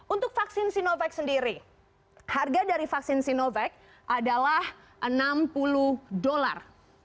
untuk vaksin sinovac sendiri harga dari vaksin sinovac adalah enam puluh dolar